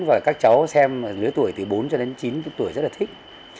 và các cháu xem lứa tuổi từ bốn cho đến chín tuổi rất là thích